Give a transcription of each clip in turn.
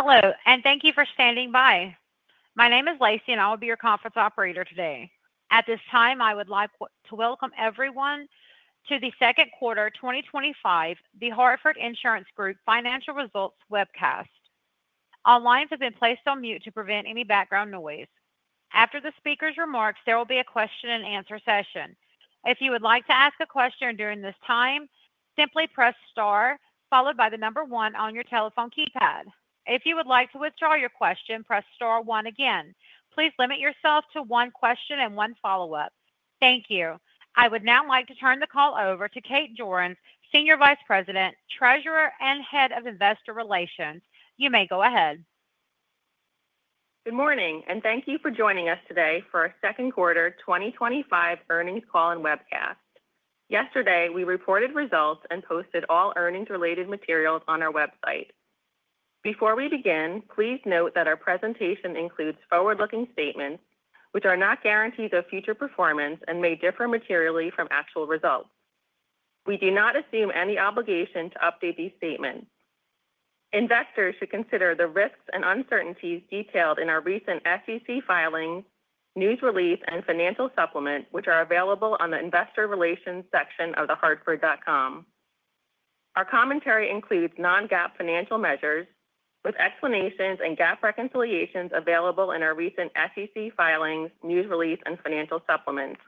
Hello, and thank you for standing by. My name is Lacey, and I will be your conference operator today. At this time, I would like to welcome everyone to the second-quarter 2025, The Hartford Insurance Group financial results webcast. All lines have been placed on mute to prevent any background noise. After the speaker's remarks, there will be a question-and-answer session. If you would like to ask a question during this time, simply press star followed by the number one on your telephone keypad. If you would like to withdraw your question, press star one again. Please limit yourself to one question and one follow-up. Thank you. I would now like to turn the call over to Kate Jorens, Senior Vice President, Treasurer, and Head of Investor Relations. You may go ahead. Good morning, and thank you for joining us today for our second-quarter 2025 earnings call and webcast. Yesterday, we reported results and posted all earnings-related materials on our website. Before we begin, please note that our presentation includes forward-looking statements, which are not guarantees of future performance and may differ materially from actual results. We do not assume any obligation to update these statements. Investors should consider the risks and uncertainties detailed in our recent SEC filings, news release, and financial supplement, which are available on the Investor Relations section of thehartford.com. Our commentary includes non-GAAP financial measures, with explanations and GAAP reconciliations available in our recent SEC filings, news release, and financial supplements.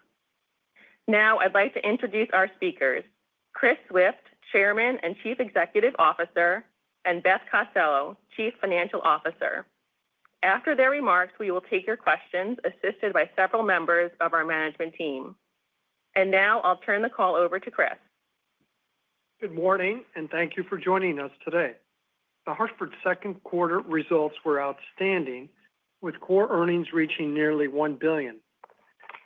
Now, I'd like to introduce our speakers: Chris Swift, Chairman and Chief Executive Officer, and Beth Costello, Chief Financial Officer. After their remarks, we will take your questions, assisted by several members of our management team. Now, I'll turn the call over to Chris. Good morning, and thank you for joining us today. The Hartford second-quarter results were outstanding, with core earnings reaching nearly $1 billion.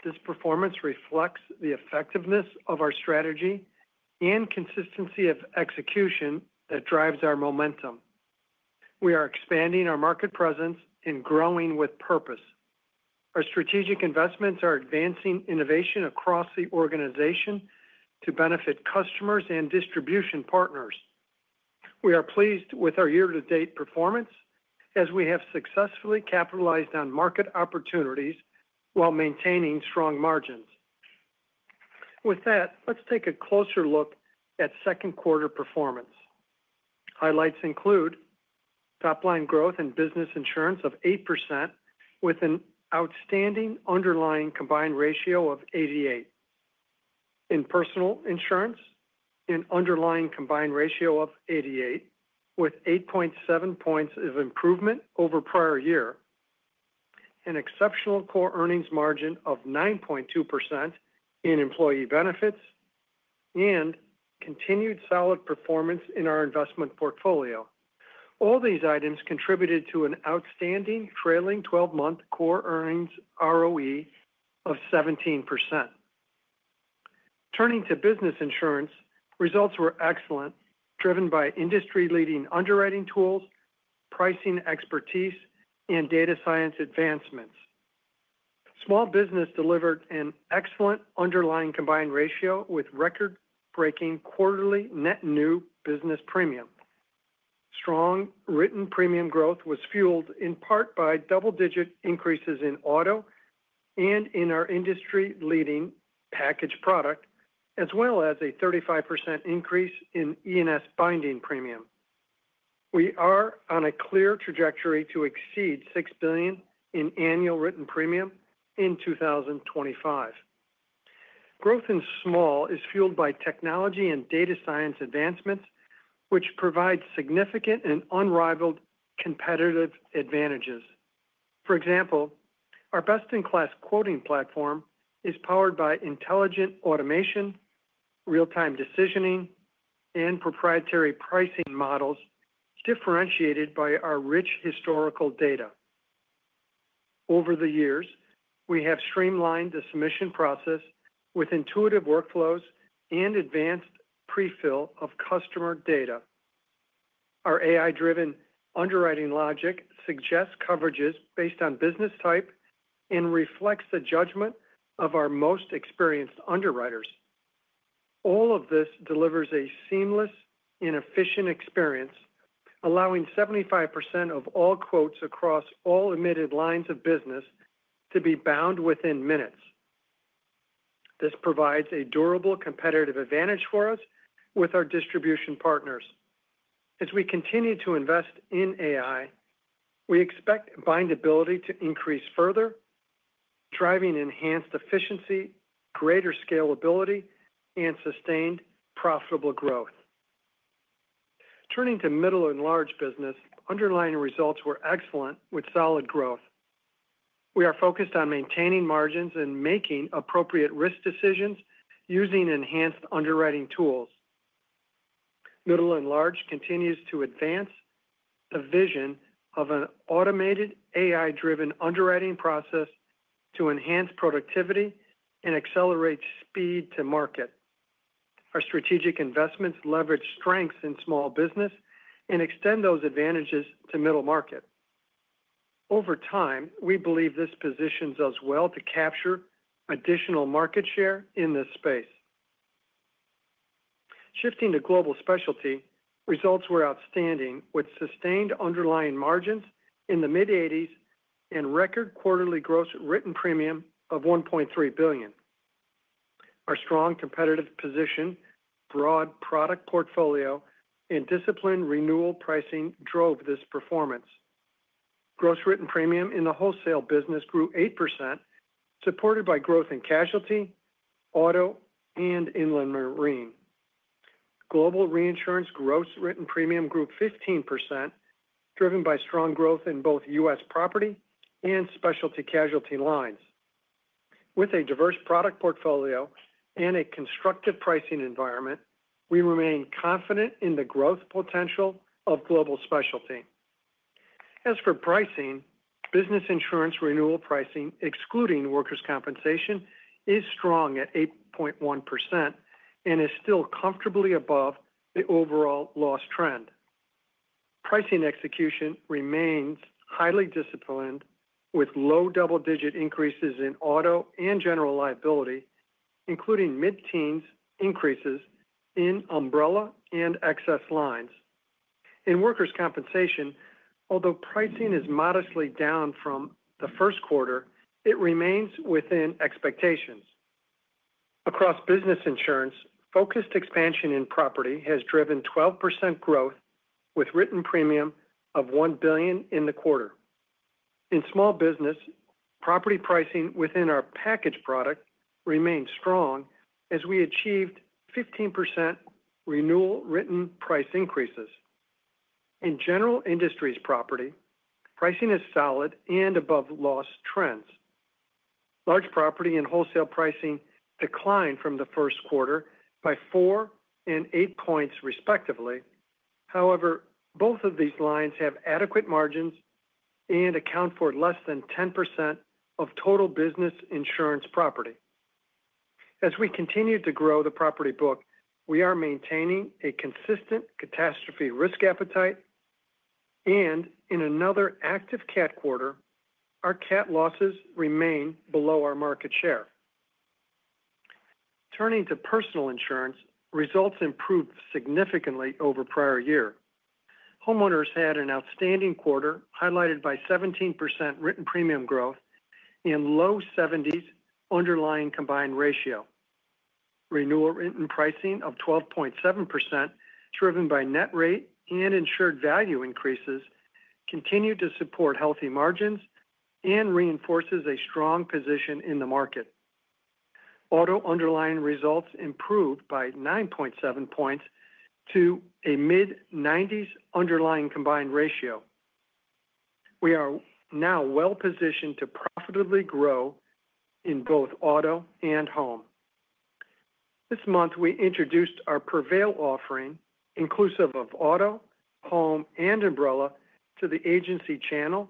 This performance reflects the effectiveness of our strategy and consistency of execution that drives our momentum. We are expanding our market presence and growing with purpose. Our strategic investments are advancing innovation across the organization to benefit customers and distribution partners. We are pleased with our year-to-date performance, as we have successfully capitalized on market opportunities while maintaining strong margins. With that, let's take a closer look at second-quarter performance. Highlights include. Top-line growth in Business Insurance of 8%, with an outstanding underlying combined ratio of 88. In Personal Insurance, an underlying combined ratio of 88, with 8.7 points of improvement over prior year, an exceptional core earnings margin of 9.2% in Employee Benefits, and continued solid performance in our investment portfolio. All these items contributed to an outstanding trailing 12–month core earnings ROE of 17%. Turning to Business Insurance, results were excellent, driven by industry-leading underwriting tools, pricing expertise, and data science advancements. Small Business delivered an excellent underlying combined ratio with record-breaking quarterly net new business premium. Strong written premium growth was fueled in part by double-digit increases in Auto and in our industry-leading Package product, as well as a 35% increase in E&S Binding premium. We are on a clear trajectory to exceed $6 billion in annual written premium in 2025. Growth in Small is fueled by technology and data science advancements, which provide significant and unrivaled competitive advantages. For example, our best-in-class quoting platform is powered by intelligent automation, real-time decisioning, and proprietary pricing models differentiated by our rich historical data. Over the years, we have streamlined the submission process with intuitive workflows and advanced pre-fill of customer data. Our AI-driven underwriting logic suggests coverages based on business type and reflects the judgment of our most experienced underwriters. All of this delivers a seamless and efficient experience, allowing 75% of all quotes across all admitted lines of business to be bound within minutes. This provides a durable competitive advantage for us with our distribution partners. As we continue to invest in AI, we expect bindability to increase further, driving enhanced efficiency, greater scalability, and sustained profitable growth. Turning to Middle & Large business, underlying results were excellent, with solid growth. We are focused on maintaining margins and making appropriate risk decisions using enhanced underwriting tools. Middle and Large continues to advance the vision of an automated AI-driven underwriting process to enhance productivity and accelerate speed to market. Our strategic investments leverage strengths in Small Business and extend those advantages to Middle Market. Over time, we believe this positions us well to capture additional market share in this space. Shifting to Global Specialty, results were outstanding, with sustained underlying margins in the mid-80s and record quarterly gross written premium of $1.3 billion. Our strong competitive position, broad product portfolio, and disciplined renewal pricing drove this performance. Gross written premium in the Wholesale business grew 8%, supported by growth in Casualty, Auto, and Inland Marine. Global Reinsurance gross written premium grew 15%, driven by strong growth in both U.S. Property and Specialty Casualty lines. With a diverse product portfolio and a constructive pricing environment, we remain confident in the growth potential of Global Specialty. As for pricing, Business Insurance Renewal Pricing, excluding Workers' Compensation, is strong at 8.1% and is still comfortably above the overall loss trend. Pricing execution remains highly disciplined, with low double-digit increases in auto and general liability, including mid-teens increases in umbrella and excess lines. In Workers' Compensation, although pricing is modestly down from the first quarter, it remains within expectations. Across Business Insurance, focused expansion in property has driven 12% growth, with written premium of $1 billion in the quarter. In Small Business, property pricing within our package product remains strong, as we achieved 15% renewal written price increases. In general industries property, pricing is solid and above loss trends. Large property and wholesale pricing declined from the first quarter by four and eight points, respectively. However, both of these lines have adequate margins and account for less than 10% of total Business Insurance property. As we continue to grow the property book, we are maintaining a consistent catastrophe risk appetite. In another active CAT quarter, our CAT losses remain below our market share. Turning to Personal Insurance, results improved significantly over prior year. Homeowners had an outstanding quarter highlighted by 17% written premium growth and low–70s underlying combined ratio. Renewal written pricing of 12.7%, driven by net rate and insured value increases, continued to support healthy margins and reinforces a strong position in the market. Auto underlying results improved by 9.7 points to a mid–90s underlying combined ratio. We are now well-positioned to profitably grow in both auto and home. This month, we introduced our Prevail offering, inclusive of Auto, Home, and Umbrella, to the agency channel,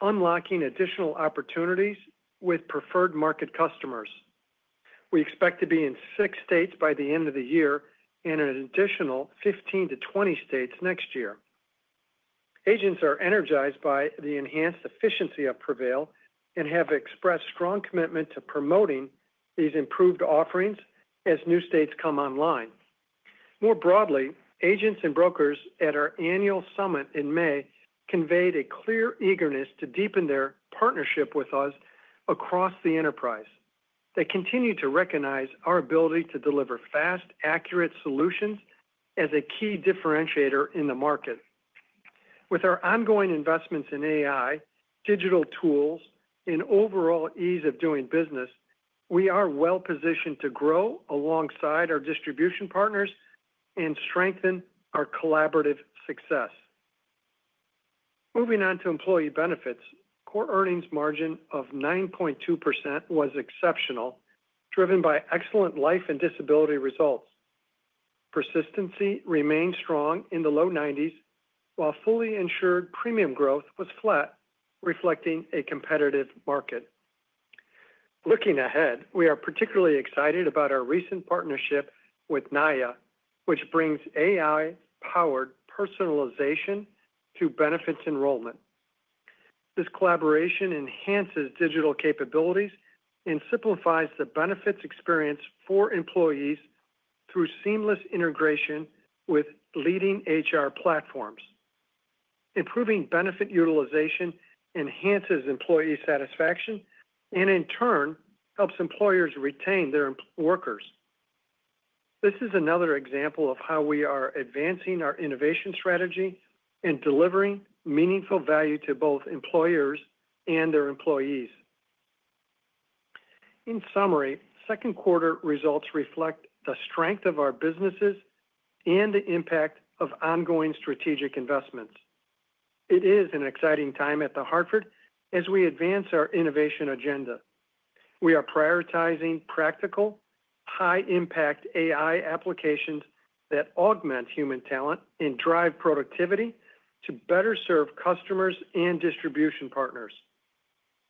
unlocking additional opportunities with preferred market customers. We expect to be in six states by the end of the year and an additional 15–20 states next year. Agents are energized by the enhanced efficiency of Prevail and have expressed strong commitment to promoting these improved offerings as new states come online. More broadly, agents and brokers at our annual summit in May conveyed a clear eagerness to deepen their partnership with us across the enterprise. They continue to recognize our ability to deliver fast, accurate solutions as a key differentiator in the market. With our ongoing investments in AI, digital tools, and overall ease of doing business, we are well-positioned to grow alongside our distribution partners and strengthen our collaborative success. Moving on to Employee Benefits, core earnings margin of 9.2% was exceptional, driven by excellent Life and Disability results. Persistency remained strong in the low 90s, while fully insured premium growth was flat, reflecting a competitive market. Looking ahead, we are particularly excited about our recent partnership with NAIA, which brings AI-powered personalization to benefits enrollment. This collaboration enhances digital capabilities and simplifies the benefits experience for employees through seamless integration with leading HR platforms. Improving benefit utilization enhances employee satisfaction and, in turn, helps employers retain their workers. This is another example of how we are advancing our innovation strategy and delivering meaningful value to both employers and their employees. In summary, second-quarter results reflect the strength of our businesses and the impact of ongoing strategic investments. It is an exciting time at The Hartford as we advance our innovation agenda. We are prioritizing practical, high-impact AI applications that augment human talent and drive productivity to better serve customers and distribution partners.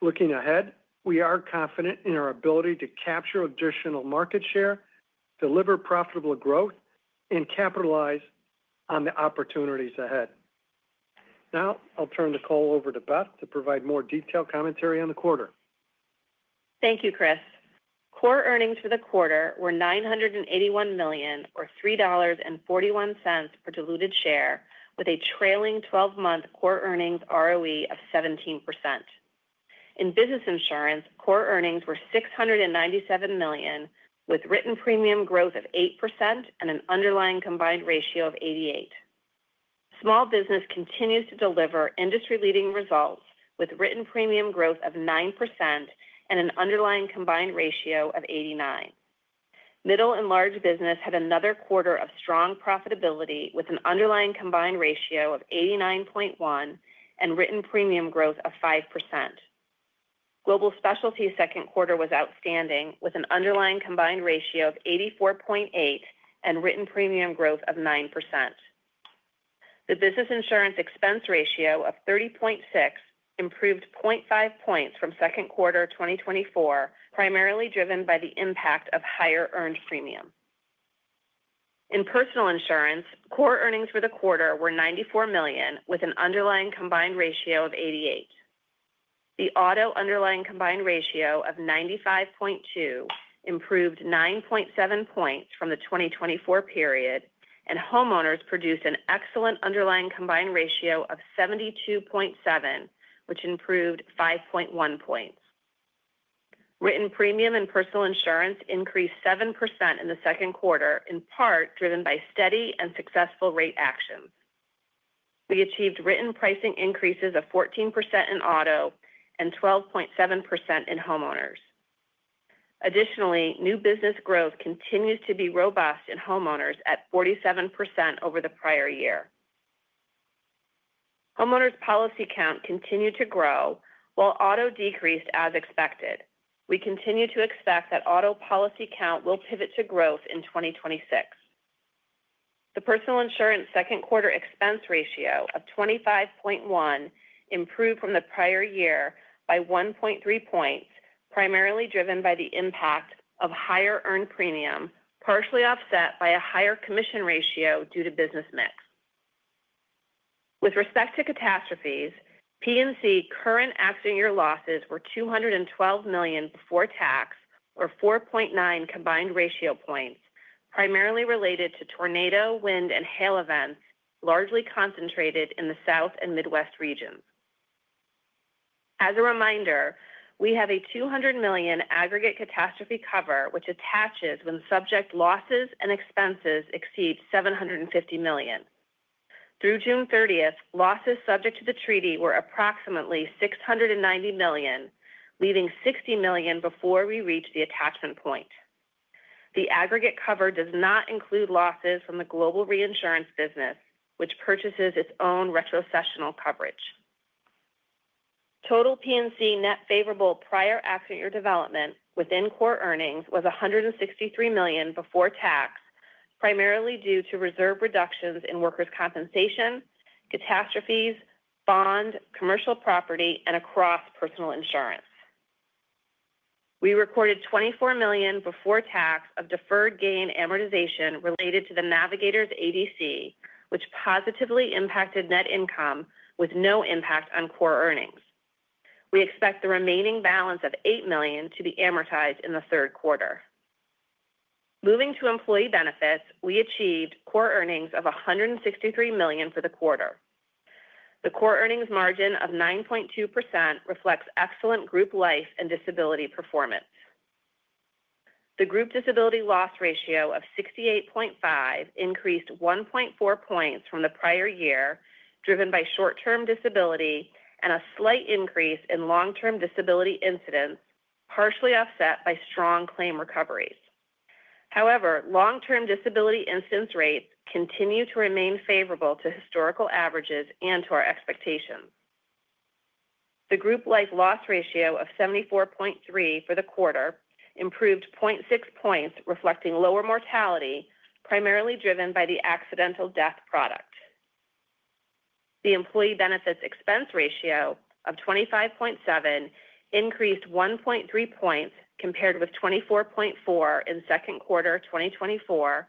Looking ahead, we are confident in our ability to capture additional market share, deliver profitable growth, and capitalize on the opportunities ahead. Now, I'll turn the call over to Beth to provide more detailed commentary on the quarter. Thank you, Chris. Core earnings for the quarter were $981 million, or $3.41 per diluted share, with a trailing 12-month core earnings ROE of 17%. In Business Insurance, core earnings were $697 million, with written premium growth of 8% and an underlying combined ratio of 88. Small Business continues to deliver industry-leading results, with written premium growth of 9% and an underlying combined ratio of 89. Middle and large business had another quarter of strong profitability, with an underlying combined ratio of 89.1 and written premium growth of 5%. Global Specialty second-quarter was outstanding, with an underlying combined ratio of 84.8 and written premium growth of 9%. The Business Insurance expense ratio of 30.6 improved 0.5 points from second-quarter 2024, primarily driven by the impact of higher earned premium. In Personal Insurance, core earnings for the quarter were $94 million, with an underlying combined ratio of 88. The auto underlying combined ratio of 95.2 improved 9.7 points from the 2024 period, and homeowners produced an excellent underlying combined ratio of 72.7, which improved 5.1 points. Written premium in Personal Insurance increased 7% in the second-quarter, in part driven by steady and successful rate actions. We achieved written pricing increases of 14% in auto and 12.7% in homeowners. Additionally, new business growth continues to be robust in homeowners at 47% over the prior year. Homeowners' policy count continued to grow, while auto decreased as expected. We continue to expect that auto policy count will pivot to growth in 2026. The Personal Insurance second-quarter expense ratio of 25.1 improved from the prior year by 1.3 points, primarily driven by the impact of higher earned premium, partially offset by a higher commission ratio due to business mix. With respect to catastrophes, P&C current active year losses were $212 million before tax, or 4.9 combined ratio points, primarily related to tornado, wind, and hail events largely concentrated in the South and Midwest regions. As a reminder, we have a $200 million aggregate catastrophe cover which attaches when subject losses and expenses exceed $750 million. Through June 30th, losses subject to the treaty were approximately $690 million, leaving $60 million before we reached the attachment point. The aggregate cover does not include losses from the Global Reinsurance business, which purchases its own retrocessional coverage. Total P&C net favorable prior active year development within core earnings was $163 million before tax, primarily due to reserve reductions in Workers' Compensation, catastrophes, bond, commercial property, and across Personal Insurance. We recorded $24 million before tax of deferred gain amortization related to the Navigators ADC, which positively impacted net income with no impact on core earnings. We expect the remaining balance of $8 million to be amortized in the third quarter. Moving to Employee Benefits, we achieved core earnings of $163 million for the quarter. The core earnings margin of 9.2% reflects excellent group life and disability performance. The group disability loss ratio of 68.5 increased 1.4 points from the prior year, driven by short-term disability and a slight increase in long-term disability incidence, partially offset by strong claim recoveries. However, long-term disability incidence rates continue to remain favorable to historical averages and to our expectations. The group life loss ratio of 74.3 for the quarter improved 0.6 points, reflecting lower mortality, primarily driven by the accidental death product. The Employee Benefits expense ratio of 25.7 increased 1.3 points compared with 24.4 in second-quarter 2024,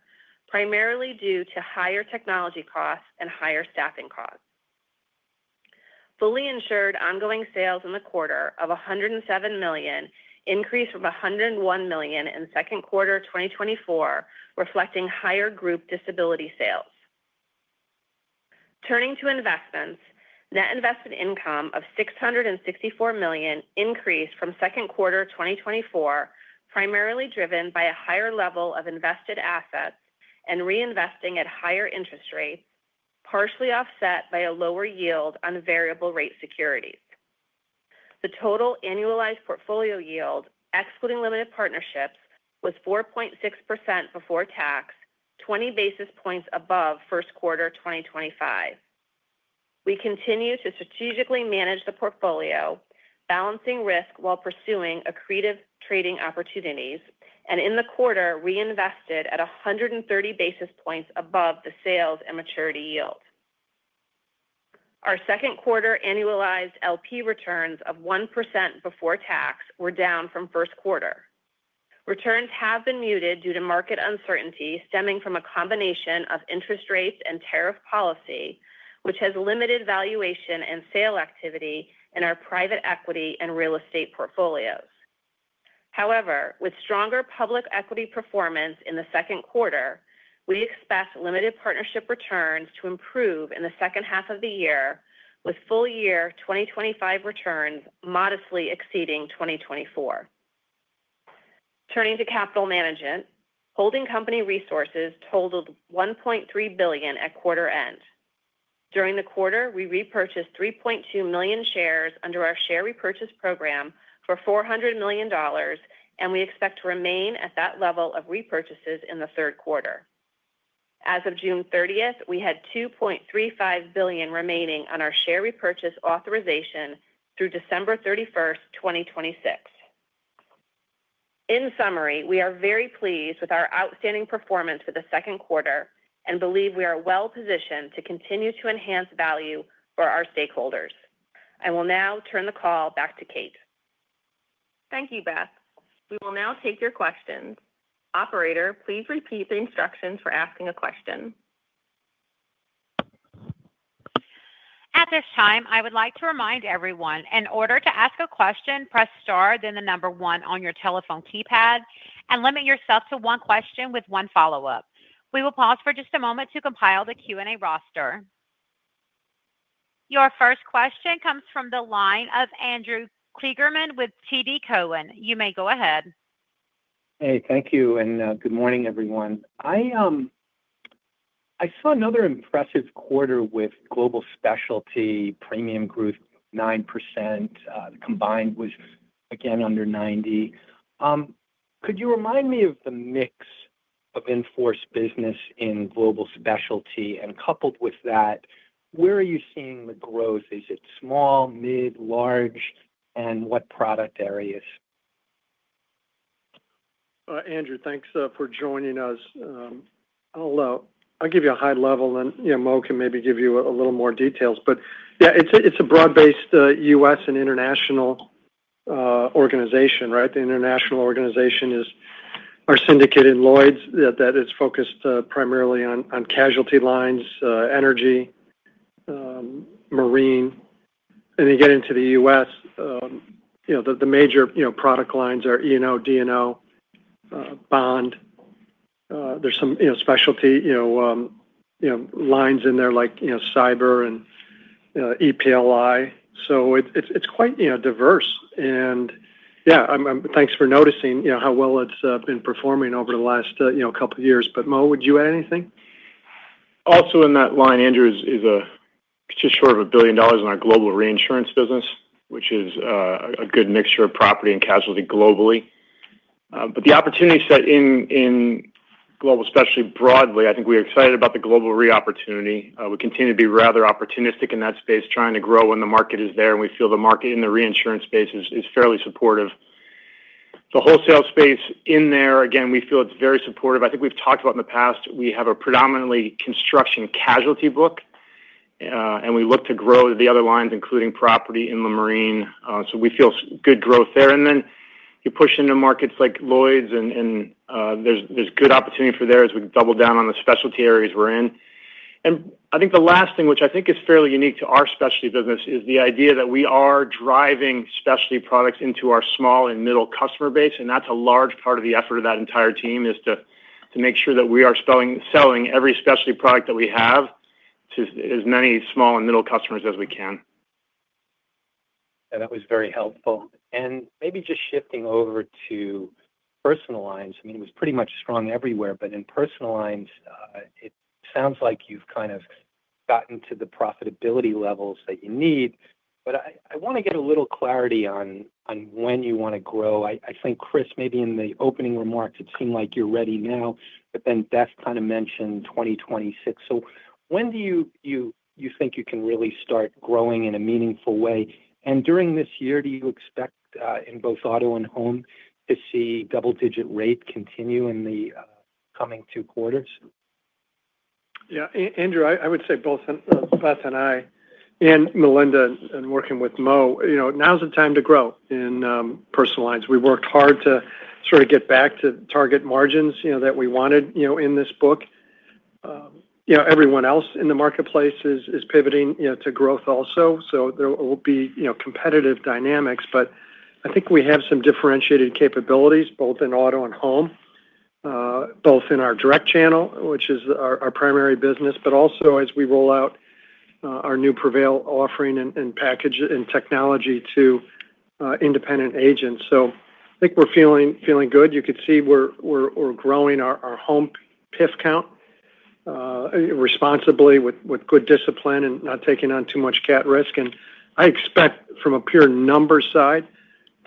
primarily due to higher technology costs and higher staffing costs. Fully insured ongoing sales in the quarter of $107 million increased from $101 million in second-quarter 2024, reflecting higher group disability sales. Turning to investments, net invested income of $664 million increased from second-quarter 2024, primarily driven by a higher level of invested assets and reinvesting at higher interest rates, partially offset by a lower yield on variable-rate securities. The total annualized portfolio yield, excluding limited partnerships, was 4.6% before tax, 20 basis points above first quarter 2025. We continue to strategically manage the portfolio, balancing risk while pursuing accretive trading opportunities, and in the quarter, reinvested at 130 basis points above the sales and maturity yield. Our second-quarter annualized LP returns of 1% before tax were down from first quarter. Returns have been muted due to market uncertainty stemming from a combination of interest rates and tariff policy, which has limited valuation and sale activity in our private equity and real estate portfolios. However, with stronger public equity performance in the second-quarter, we expect limited partnership returns to improve in the second half of the year, with full-year 2025 returns modestly exceeding 2024. Turning to capital management, holding company resources totaled $1.3 billion at quarter end. During the quarter, we repurchased 3.2 million shares under our share repurchase program for $400 million, and we expect to remain at that level of repurchases in the third quarter. As of June 30th, we had $2.35 billion remaining on our share repurchase authorization through December 31st, 2026. In summary, we are very pleased with our outstanding performance for the second-quarter and believe we are well-positioned to continue to enhance value for our stakeholders. I will now turn the call back to Kate. Thank you, Beth. We will now take your questions. Operator, please repeat the instructions for asking a question. At this time, I would like to remind everyone, in order to ask a question, press star, then the number one on your telephone keypad, and limit yourself to one question with one follow-up. We will pause for just a moment to compile the Q&A roster. Your first question comes from the line of Andrew Kligerman with TD Cowen. You may go ahead. Hey, thank you. Good morning, everyone. I saw another impressive quarter with Global Specialty premium growth of 9% combined with, again, under 90. Could you remind me of the mix of in-force business in Global Specialty? Coupled with that, where are you seeing the growth? Is it small, mid, large, and what product areas? Andrew, thanks for joining us. I'll give you a high-level, and Mo can maybe give you a little more details. Yeah, it's a broad-based U.S. and international organization, right? The international organization is our syndicate in Lloyd's that is focused primarily on Casualty lines, Energy, Marine. Then you get into the U.S. The major product lines are E&O, D&O, Bond. There's some specialty lines in there like Cyber and EPLI. It's quite diverse. Yeah, thanks for noticing how well it's been performing over the last couple of years. Mo, would you add anything? Also, in that line, Andrew is just short of a billion dollars in our Global Reinsurance business, which is a good mixture of Property and Casualty globally. The opportunity set in Global Specialty broadly, I think we're excited about the global reopportunity. We continue to be rather opportunistic in that space, trying to grow when the market is there, and we feel the market in the reinsurance space is fairly supportive. The wholesale space in there, again, we feel it's very supportive. I think we've talked about in the past, we have a predominantly Construction Casualty book, and we look to grow the other lines, including Property and the Marine. We feel good growth there. You push into markets like Lloyd’s, and there's good opportunity for there as we double down on the specialty areas we're in. I think the last thing, which I think is fairly unique to our specialty business, is the idea that we are driving specialty products into our small and middle customer base. That's a large part of the effort of that entire team, to make sure that we are selling every specialty product that we have to as many small and middle customers as we can. Yeah, that was very helpful. Maybe just shifting over to Personal Lines. I mean, it was pretty much strong everywhere, but in Personal Lines, it sounds like you've kind of gotten to the profitability levels that you need. I want to get a little clarity on when you want to grow. I think, Chris, maybe in the opening remarks, it seemed like you're ready now, but then Beth kind of mentioned 2026. When do you think you can really start growing in a meaningful way? During this year, do you expect in both auto and home to see double-digit rate continue in the coming two quarters? Yeah, Andrew, I would say both Beth and I and Melinda and working with Mo, now's the time to grow in Personal Lines. We worked hard to sort of get back to target margins that we wanted in this book. Everyone else in the marketplace is pivoting to growth also. There will be competitive dynamics, but I think we have some differentiated capabilities both in auto and home, both in our direct channel, which is our primary business, but also as we roll out our new Prevail offering and technology to independent agents. I think we're feeling good. You could see we're growing our home PIF count responsibly with good discipline and not taking on too much cat risk. I expect from a pure number side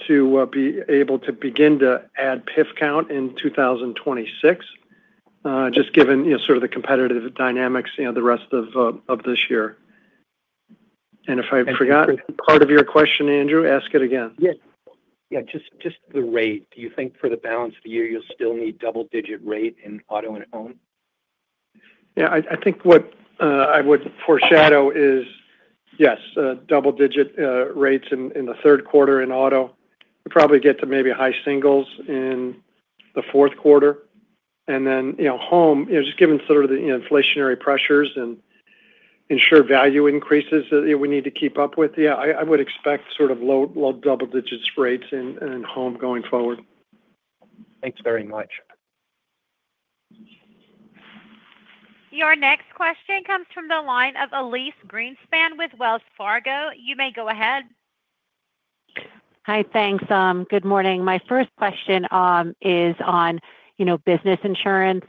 to be able to begin to add PIF count in 2026, just given sort of the competitive dynamics the rest of this year. If I forgot part of your question, Andrew, ask it again. Yeah. Just the rate. Do you think for the balance of the year, you'll still need double-digit rate in auto and home? Yeah. I think what I would foreshadow is, yes, double-digit rates in the third quarter in auto. We probably get to maybe high singles in the fourth quarter. In home, just given sort of the inflationary pressures and insured value increases that we need to keep up with, yeah, I would expect sort of low double-digit rates in home going forward. Thanks very much. Your next question comes from the line of Elyse Greenspan with Wells Fargo. You may go ahead. Hi, thanks. Good morning. My first question is on Business Insurance.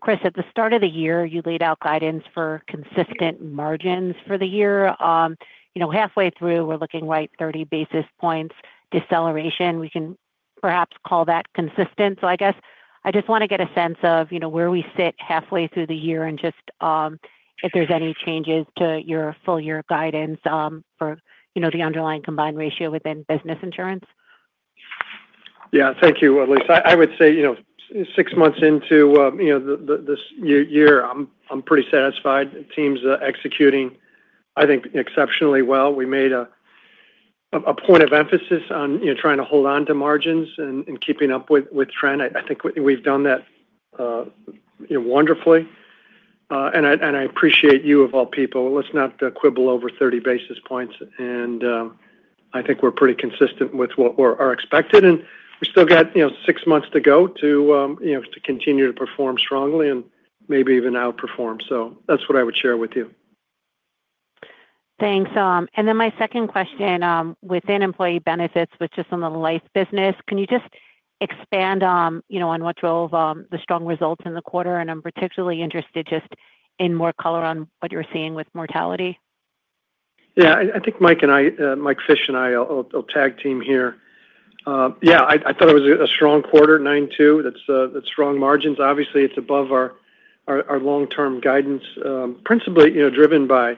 Chris, at the start of the year, you laid out guidance for consistent margins for the year. Halfway through, we're looking right 30-basis-points deceleration. We can perhaps call that consistent. I guess I just want to get a sense of where we sit halfway through the year and just if there's any changes to your full-year guidance for the underlying combined ratio within Business Insurance? Yeah. Thank you, Elyse. I would say six months into this year, I'm pretty satisfied. The team's executing, I think, exceptionally well. We made a point of emphasis on trying to hold on to margins and keeping up with trend. I think we've done that wonderfully. And I appreciate you of all people. Let's not quibble over 30 basis points. I think we're pretty consistent with what are expected. We still got six months to go to continue to perform strongly and maybe even outperform. That's what I would share with you. Thanks. My second question within Employee Benefits, which is on the life business. Can you just expand on what drove the strong results in the quarter? I'm particularly interested just in more color on what you're seeing with mortality. Yeah. I think Mike and I, Mike Fish and I, I'll tag team here. Yeah, I thought it was a strong quarter, 92. That's strong margins. Obviously, it's above our long-term guidance, principally driven by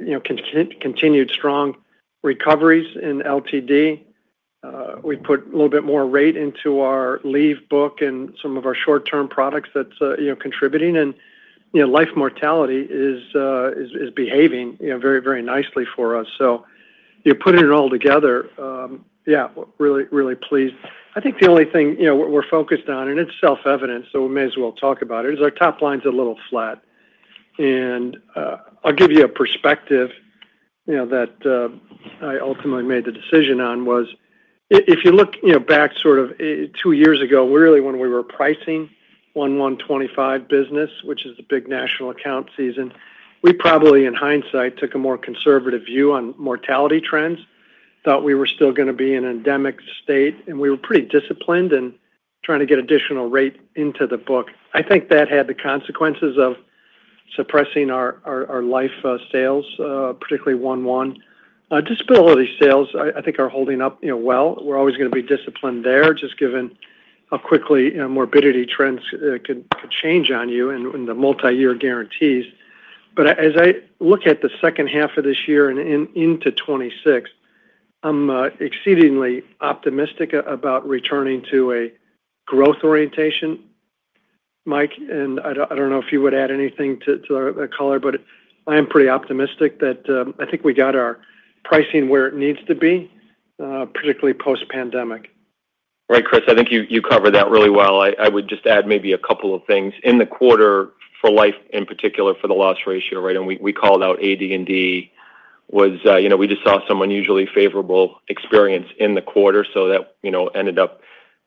continued strong recoveries in LTD. We put a little bit more rate into our leave book and some of our short-term products that's contributing. And life mortality is behaving very, very nicely for us. So you're putting it all together. Yeah, really pleased. I think the only thing we're focused on, and it's self-evident, so we may as well talk about it, is our top line's a little flat. I'll give you a perspective. That I ultimately made the decision on was, if you look back sort of two years ago, really when we were pricing 1125 business, which is the big national account season, we probably in hindsight took a more conservative view on mortality trends, thought we were still going to be in an endemic state, and we were pretty disciplined in trying to get additional rate into the book. I think that had the consequences of suppressing our life sales, particularly one one. Disability sales, I think, are holding up well. We're always going to be disciplined there, just given how quickly morbidity trends could change on you and the multi-year guarantees. As I look at the second half of this year and into 2026, I'm exceedingly optimistic about returning to a growth orientation. Mike, I don't know if you would add anything to the color, but I am pretty optimistic that I think we got our pricing where it needs to be, particularly post-pandemic. Right, Chris. I think you covered that really well. I would just add maybe a couple of things. In the quarter for life in particular, for the loss ratio, right? And we called out AD&D was we just saw some unusually favorable experience in the quarter, so that ended up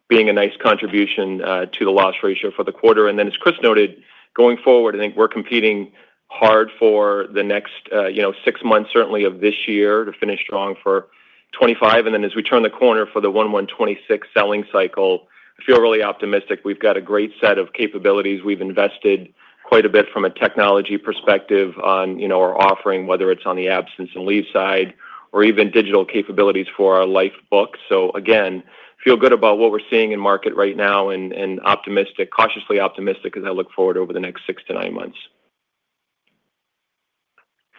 being a nice contribution to the loss ratio for the quarter. As Chris noted, going forward, I think we're competing hard for the next six months, certainly of this year, to finish strong for 2025. As we turn the corner for the 1126 selling cycle, I feel really optimistic. We've got a great set of capabilities. We've invested quite a bit from a technology perspective on our offering, whether it's on the absence and leave side or even digital capabilities for our life book. Again, feel good about what we're seeing in market right now and cautiously optimistic as I look forward over the next six to nine months.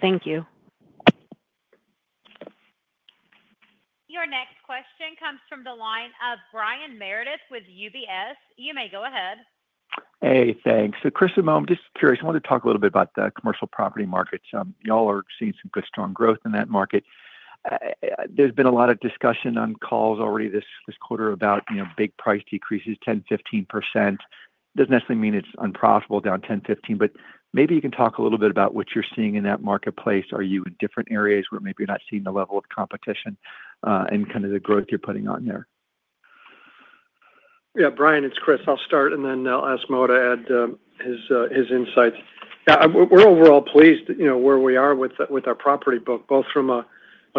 Thank you. Your next question comes from the line of Brian Meredith with UBS. You may go ahead. Hey, thanks. Chris and Mo, I'm just curious. I want to talk a little bit about the commercial property markets. Y'all are seeing some good strong growth in that market. There's been a lot of discussion on calls already this quarter about big price decreases, 10–15%. Doesn't necessarily mean it's unprofitable down 10–15%, but maybe you can talk a little bit about what you're seeing in that marketplace. Are you in different areas where maybe you're not seeing the level of competition. And kind of the growth you're putting on there? Yeah. Brian, it's Chris. I'll start, and then I'll ask Mo to add his insights. Yeah. We're overall pleased where we are with our property book, both from a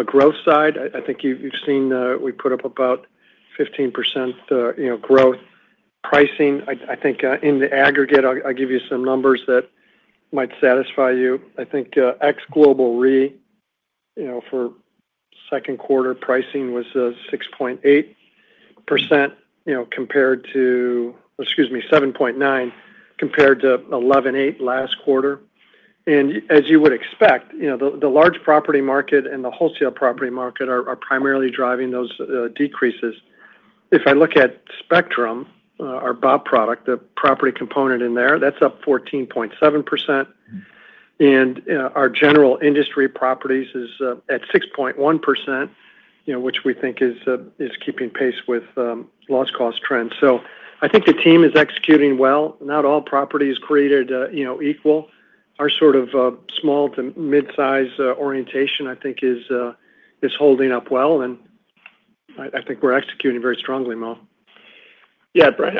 growth side. I think you've seen we put up about 15% growth pricing. I think in the aggregate, I'll give you some numbers that might satisfy you. I think ex-global re. For second-quarter pricing was 6.8% compared to, excuse me, 7.9% compared to 11.8% last quarter. As you would expect, the large property market and the wholesale property market are primarily driving those decreases. If I look at Spectrum, our BOP product, the property component in there, that's up 14.7%. Our general industry properties is at 6.1%, which we think is keeping pace with loss cost trends. I think the team is executing well. Not all property is created equal. Our sort of small to mid-size orientation, I think, is holding up well. I think we're executing very strongly, Mo? Yeah, Brian.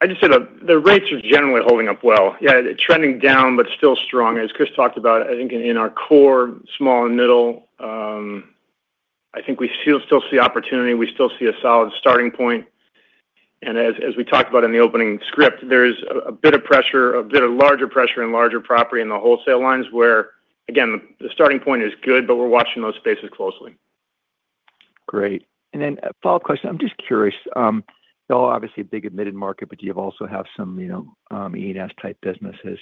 I just said the rates are generally holding up well. Yeah, trending down, but still strong, as Chris talked about. I think in our core small and middle. I think we still see opportunity. We still see a solid starting point. As we talked about in the opening script, there's a bit of pressure, a bit of larger pressure in larger property in the wholesale lines where, again, the starting point is good, but we're watching those spaces closely. Great. Then follow-up question. I'm just curious. Y'all are obviously a big admitted market, but you also have some E&S-type businesses.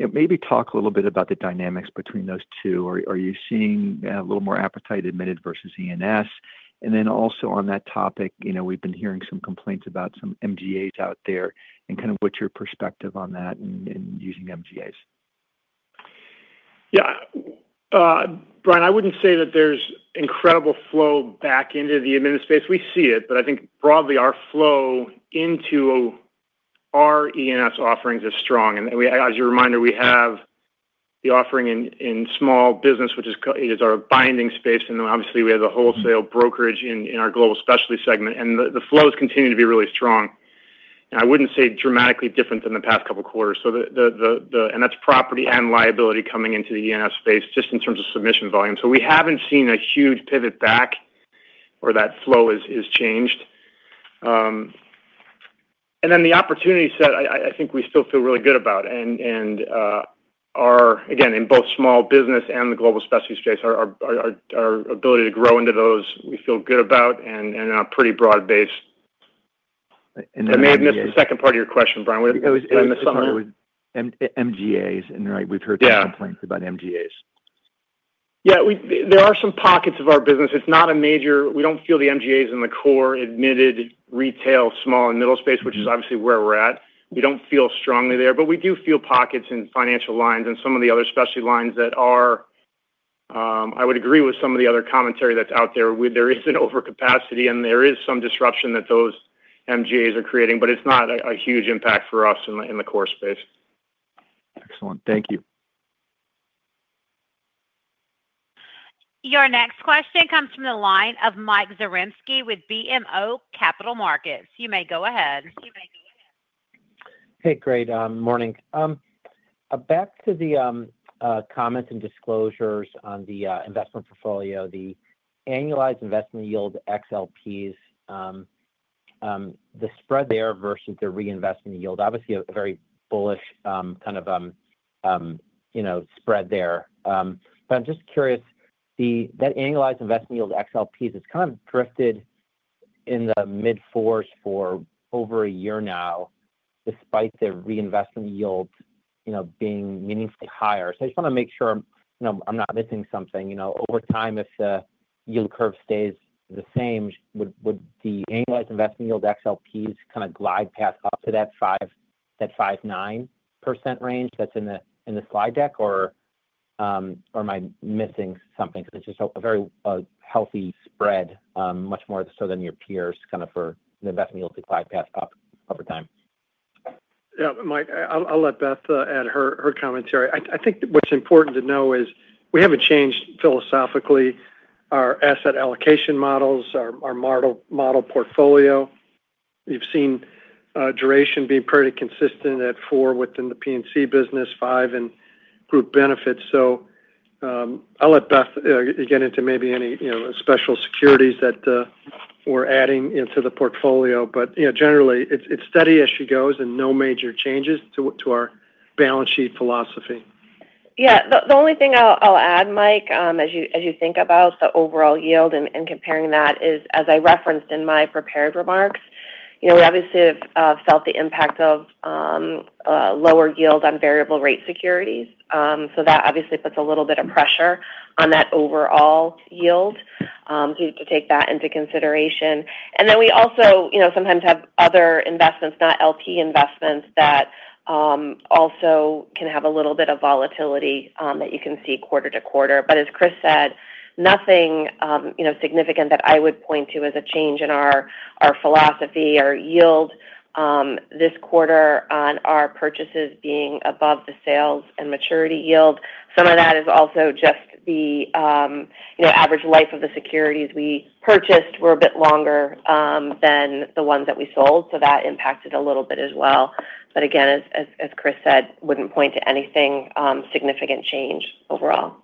Maybe talk a little bit about the dynamics between those two. Are you seeing a little more appetite admitted versus E&S? Also on that topic, we've been hearing some complaints about some MGAs out there and kind of what's your perspective on that and using MGAs? Yeah. Brian, I wouldn't say that there's incredible flow back into the admitted space. We see it, but I think broadly our flow into our E&S offerings is strong. As your reminder, we have the offering in Small Business, which is our binding space. Obviously, we have the wholesale brokerage in our Global Specialty segment. The flow has continued to be really strong. I wouldn't say dramatically different than the past couple of quarters. That is property and liability coming into the E&S space just in terms of submission volume. We haven't seen a huge pivot back or that flow has changed. The opportunity set, I think we still feel really good about. Again, in both Small Business and the Global Specialty space, our ability to grow into those, we feel good about and a pretty broad base. I may have missed the second part of your question, Brian. I missed something. MGAs, and we've heard some complaints about MGAs. Yeah. There are some pockets of our business. It's not a major, we don't feel the MGAs in the core admitted retail, small, and middle space, which is obviously where we're at. We don't feel strongly there, but we do feel pockets in financial lines and some of the other specialty lines that are, I would agree with some of the other commentary that's out there. There is an overcapacity, and there is some disruption that those MGAs are creating, but it's not a huge impact for us in the core space. Excellent. Thank you. Your next question comes from the line of Mike Zaremski with BMO Capital Markets. You may go ahead. Hey, great. Morning. Back to the comments and disclosures on the investment portfolio, the annualized investment yield XLPs. The spread there versus the reinvestment yield, obviously a very bullish kind of spread there. I'm just curious. That annualized investment yield XLPs, it's kind of drifted in the mid-fours for over a year now, despite the reinvestment yield being meaningfully higher. I just want to make sure I'm not missing something. Over time, if the yield curve stays the same, would the annualized investment yield XLPs kind of glide past up to that 5.9% range that's in the slide deck, or am I missing something? It's just a very healthy spread, much more so than your peers, kind of for the investment yield to glide past up over time. Yeah. Mike, I'll let Beth add her commentary. I think what's important to know is we haven't changed philosophically our asset allocation models, our model portfolio. You've seen duration being pretty consistent at four within the P&C business, five in group benefits. I'll let Beth get into maybe any special securities that we're adding into the portfolio. But generally, it's steady as she goes and no major changes to our balance sheet philosophy. Yeah. The only thing I'll add, Mike, as you think about the overall yield and comparing that is, as I referenced in my prepared remarks, we obviously have felt the impact of lower yield on variable rate securities. That obviously puts a little bit of pressure on that overall yield, to take that into consideration. We also sometimes have other investments, not LP investments, that also can have a little bit of volatility that you can see quarter to quarter. As Chris said, nothing significant that I would point to as a change in our philosophy, our yield. This quarter on our purchases being above the sales and maturity yield, some of that is also just the average life of the securities we purchased were a bit longer than the ones that we sold. That impacted a little bit as well. Again, as Chris said, wouldn't point to anything significant change overall.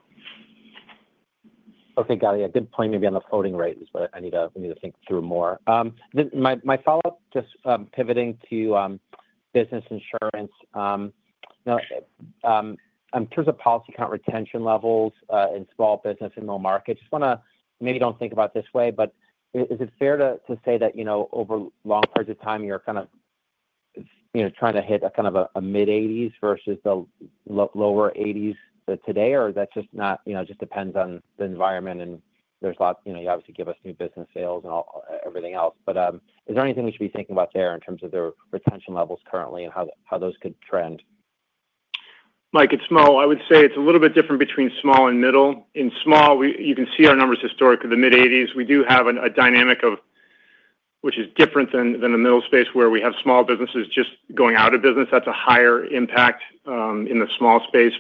Okay, Galya. Good point. Maybe on the floating rate is what I need to think through more. My follow-up, just pivoting to Business Insurance. In terms of policy account retention levels in Small Business and middle market, just want to maybe don't think about it this way, but is it fair to say that over long periods of time, you're kind of trying to hit kind of a mid-80s versus the lower 80s today? Or that's just not it just depends on the environment and there's a lot you obviously give us new business sales and everything else. Is there anything we should be thinking about there in terms of the retention levels currently and how those could trend? Mike, it's small. I would say it's a little bit different between small and middle. In small, you can see our numbers historically, the mid-80s. We do have a dynamic of, which is different than the middle space where we have Small Businesses just going out of business. That's a higher impact in the small space.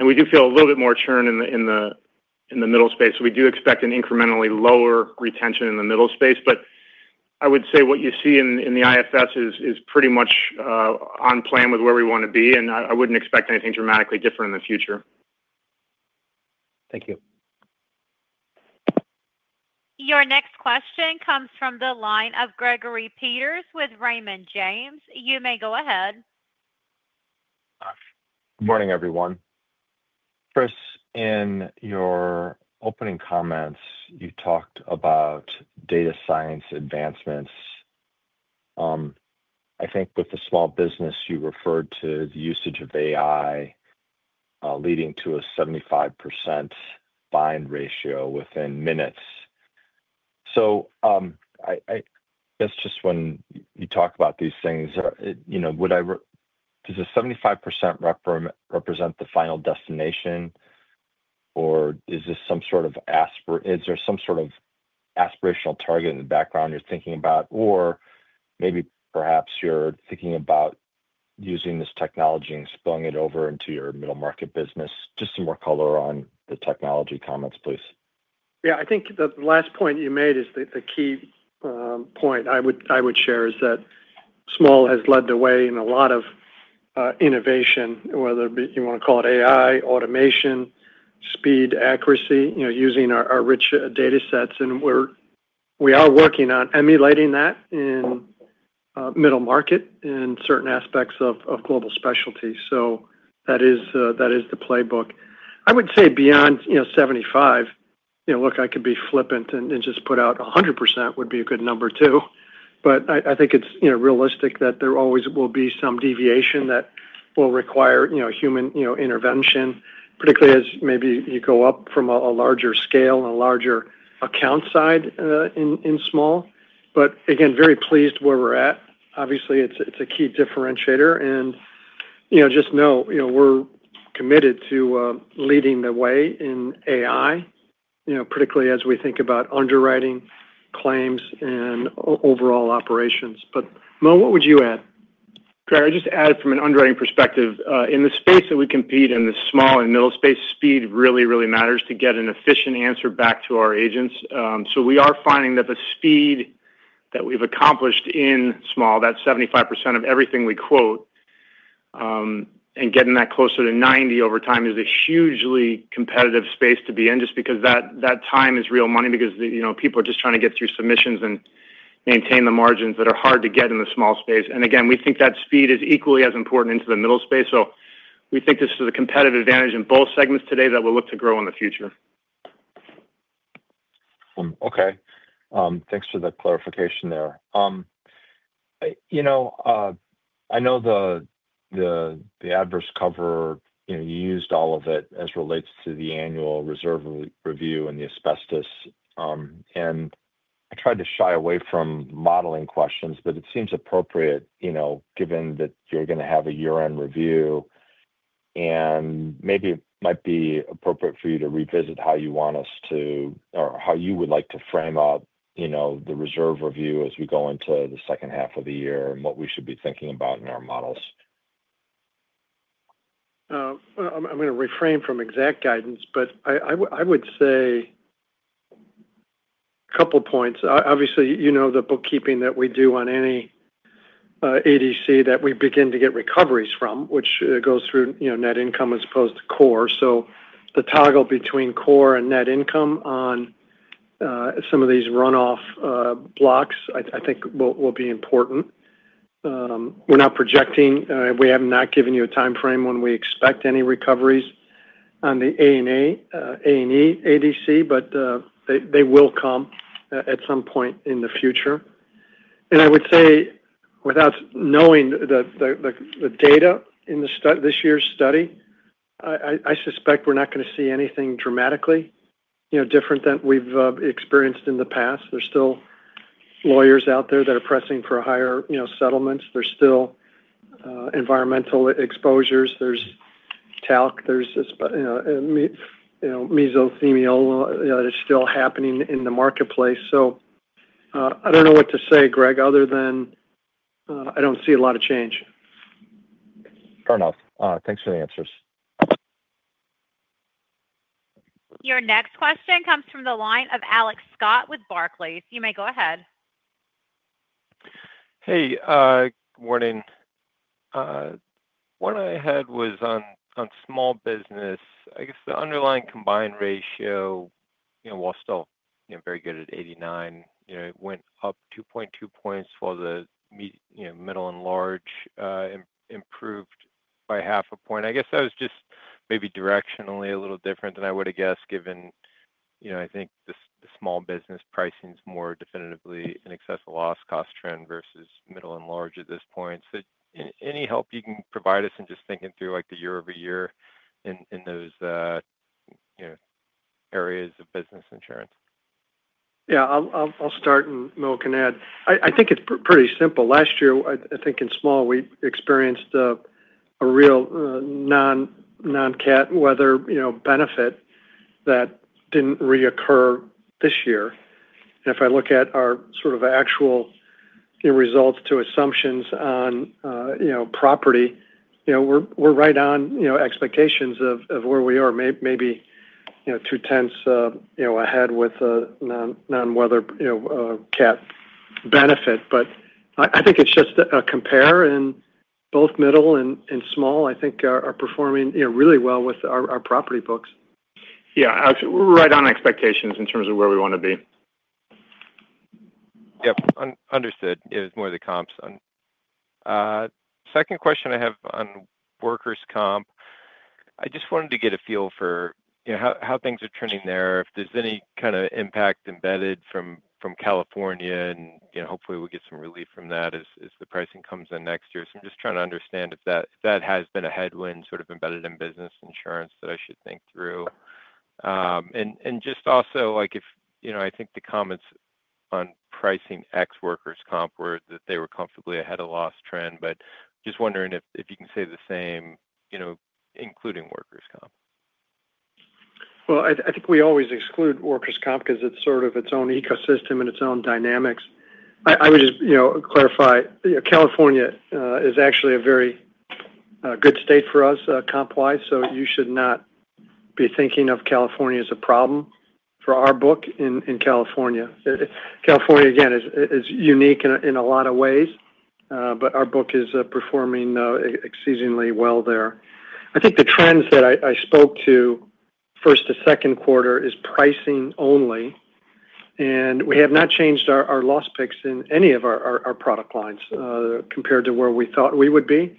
We do feel a little bit more churn in the middle space. We do expect an incrementally lower retention in the middle space. I would say what you see in the IFS is pretty much on plan with where we want to be. I wouldn't expect anything dramatically different in the future. Thank you. Your next question comes from the line of Gregory Peters with Raymond James. You may go ahead. Good morning, everyone. Chris, in your opening comments, you talked about data science advancements. I think with the Small Business, you referred to the usage of AI leading to a 75% bind ratio within minutes. I guess just when you talk about these things, would I, does the 75% represent the final destination? Or is this some sort of, is there some sort of aspirational target in the background you're thinking about? Or maybe perhaps you're thinking about using this technology and spilling it over into your middle market business? Just some more color on the technology comments, please? Yeah. I think the last point you made is the key point I would share is that Small has led the way in a lot of innovation, whether you want to call it AI, automation, speed, accuracy, using our rich data sets. We are working on emulating that in middle market and certain aspects of Global Specialty. That is the playbook. I would say beyond 75%, look, I could be flippant and just put out 100% would be a good number too. I think it's realistic that there always will be some deviation that will require human intervention, particularly as maybe you go up from a larger scale and a larger account side in Small. Again, very pleased where we're at. Obviously, it's a key differentiator. Just know we're committed to leading the way in AI, particularly as we think about underwriting claims and overall operations. Mo, what would you add? I'll just add from an underwriting perspective. In the space that we compete in, the small and middle space, speed really, really matters to get an efficient answer back to our agents. We are finding that the speed that we've accomplished in small, that 75% of everything we quote, and getting that closer to 90% over time is a hugely competitive space to be in just because that time is real money because people are just trying to get through submissions and maintain the margins that are hard to get in the small space. We think that speed is equally as important into the middle space. We think this is a competitive advantage in both segments today that we'll look to grow in the future. Okay. Thanks for the clarification there. I know the adverse cover, you used all of it as it relates to the annual reserve review and the asbestos. I try to shy away from modeling questions, but it seems appropriate given that you're going to have a year-end review. Maybe it might be appropriate for you to revisit how you want us to or how you would like to frame up the reserve review as we go into the second half of the year and what we should be thinking about in our models. I'm going to refrain from exact guidance, but I would say a couple of points. Obviously, you know the bookkeeping that we do on any ADC that we begin to get recoveries from, which goes through net income as opposed to core. The toggle between core and net income on some of these runoff blocks, I think, will be important. We're not projecting. We have not given you a timeframe when we expect any recoveries on the A&E ADC, but they will come at some point in the future. I would say, without knowing the data in this year's study, I suspect we're not going to see anything dramatically different than we've experienced in the past. There's still lawyers out there that are pressing for higher settlements. There's still environmental exposures. There's talc. There's mesothelioma that is still happening in the marketplace. I don't know what to say, Greg, other than I don't see a lot of change. Fair enough. Thanks for the answers. Your next question comes from the line of Alex Scott with Barclays. You may go ahead. Hey. Good morning. What I had was on Small Business, I guess the underlying combined ratio, while still very good at 89, it went up 2.2 points while the middle and large improved by half a point. I guess that was just maybe directionally a little different than I would have guessed given, I think, the Small Business pricing is more definitively an accessible loss cost trend versus middle and large at this point. Any help you can provide us in just thinking through the year-over-year in those areas of Business Insurance? Yeah. I'll start and Mo can add. I think it's pretty simple. Last year, I think in Small, we experienced a real non-CAT weather benefit that didn't reoccur this year. If I look at our sort of actual results to assumptions on property, we're right on expectations of where we are, maybe two-tenths ahead with non-weather CAT benefit. I think it's just a compare in both middle and small. I think are performing really well with our property books. Yeah. We're right on expectations in terms of where we want to be. Yep. Understood. It was more the comps on. Second question I have on workers' comp. I just wanted to get a feel for how things are turning there, if there's any kind of impact embedded from California and hopefully we get some relief from that as the pricing comes in next year. I'm just trying to understand if that has been a headwind sort of embedded in Business Insurance that I should think through. I think the comments on pricing ex-workers' comp were that they were comfortably ahead of loss trend, but just wondering if you can say the same, including workers' omp. I think we always exclude workers' comp because it's sort of its own ecosystem and its own dynamics. I would just clarify. California is actually a very good state for us comp-wise, so you should not be thinking of California as a problem for our book in California. California, again, is unique in a lot of ways, but our book is performing exceedingly well there. I think the trends that I spoke to. First to second-quarter is pricing only. We have not changed our loss picks in any of our product lines compared to where we thought we would be.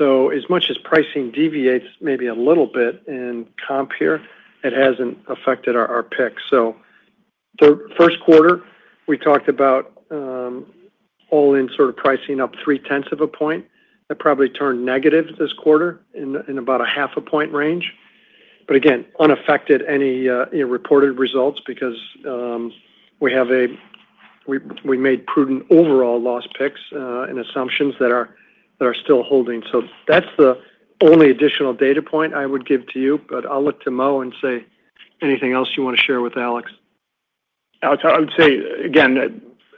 As much as pricing deviates maybe a little bit in comp here, it hasn't affected our picks. The first quarter, we talked about all-in sort of pricing up three-tenths of a point. That probably turned negative this quarter in about a half a point range. Again, unaffected any reported results because we made prudent overall loss picks and assumptions that are still holding. That's the only additional data point I would give to you, but I'll look to Mo and say anything else you want to share with Alex? Alex, I would say, again,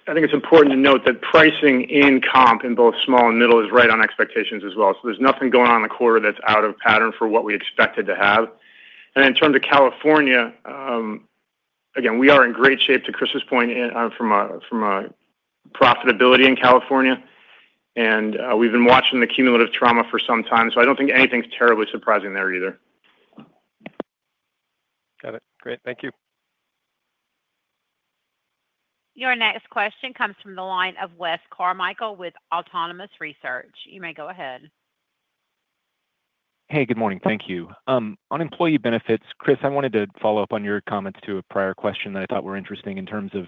I think it's important to note that pricing in comp in both small and middle is right on expectations as well. There's nothing going on in the quarter that's out of pattern for what we expected to have. In terms of California, again, we are in great shape to Chris's point from profitability in California. We've been watching the cumulative trauma for some time. I don't think anything's terribly surprising there either. Got it. Great. Thank you. Your next question comes from the line of Wes Carmichael with Autonomous Research. You may go ahead. Hey, good morning. Thank you. On Employee Benefits, Chris, I wanted to follow up on your comments to a prior question that I thought were interesting in terms of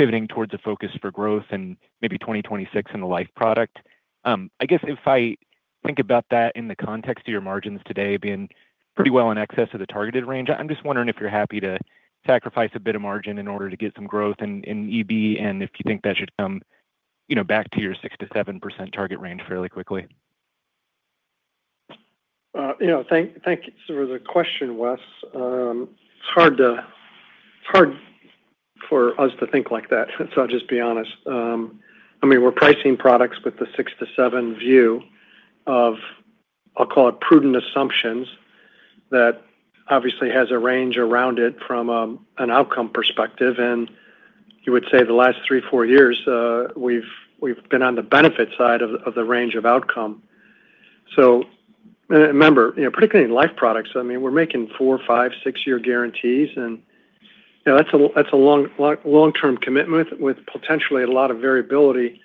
pivoting towards a focus for growth and maybe 2026 in the life product. I guess if I think about that in the context of your margins today being pretty well in excess of the targeted range, I'm just wondering if you're happy to sacrifice a bit of margin in order to get some growth in EB and if you think that should come back to your 6–7% target range fairly quickly. Thank you for the question, Wes. It's hard for us to think like that. I'll just be honest. I mean, we're pricing products with the six- to seven-year view of, I'll call it, prudent assumptions that obviously has a range around it from an outcome perspective. You would say the last three, four years, we've been on the benefit side of the range of outcome. Remember, particularly in life products, we're making four-, five-, six-year guarantees. That's a long-term commitment with potentially a lot of variability